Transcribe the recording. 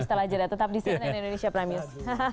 setelah jeda tetap disini di indonesia prime news